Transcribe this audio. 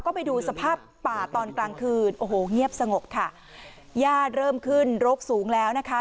ก็ไปดูสภาพป่าตอนกลางคืนโอ้โหเงียบสงบค่ะญาติเริ่มขึ้นรกสูงแล้วนะคะ